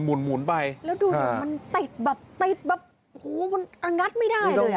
แล้วดูมันติดแบบโอ้โฮมันอังัดไม่ได้เลย